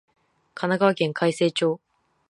神奈川県開成町